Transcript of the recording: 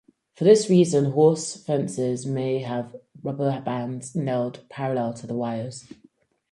For this reason horse fences may have rubber bands nailed parallel to the wires.